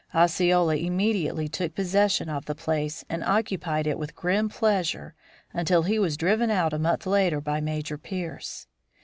Osceola immediately took possession of the place, and occupied it with grim pleasure until he was driven out a month later by Major Pearce.